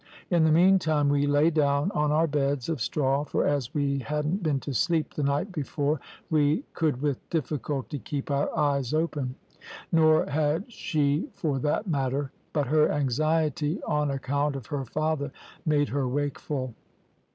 In the meantime we lay down on our beds of straw, for as we hadn't been to sleep the night before we could with difficulty keep our eyes open. Nor had she for that matter; but her anxiety on account of her father made her wakeful.